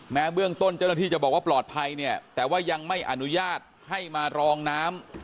เบื้องต้นเจ้าหน้าที่จะบอกว่าปลอดภัยเนี่ยแต่ว่ายังไม่อนุญาตให้มารองน้ำ